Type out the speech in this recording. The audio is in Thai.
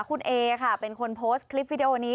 คุณเอค่ะเป็นคนโพสต์คลิปวิดีโอนี้